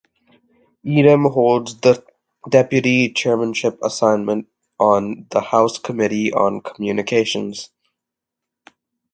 Idem holds the deputy chairmanship assignment on the House committee on Communications.